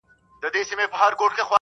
دا به څنګ ته کړم